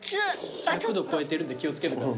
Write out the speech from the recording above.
１００度超えてるんで気を付けてください。